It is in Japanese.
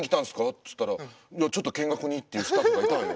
っつったら「いやちょっと見学に」っていうスタッフがいたわよ。